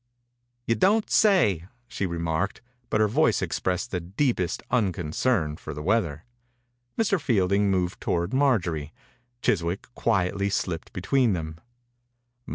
"You don't sayl" she re marked, but her voice expressed the deepest unconcern for the weather. Mr. Fielding rhoved toward Maijorie. Chiswick quietly slipped between them.